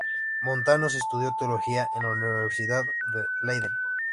Montanus estudió teología en la Universidad de Leiden.